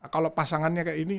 kalau pasangannya kayak ini